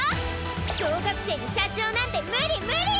小学生に社長なんて無理無理！